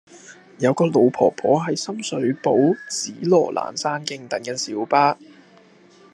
有個老婆婆喺深水埗紫羅蘭山徑等緊小巴